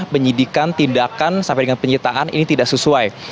penyelidikan tindakan sampai dengan penyelidikan ini tidak sesuai